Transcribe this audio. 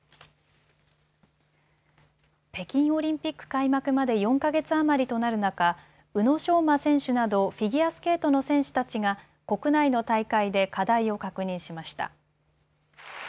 北京オリンピック開幕まで４か月余りとなる中、宇野昌磨選手などフィギュアスケートの選手たちが国内の大会で課題を確認しました。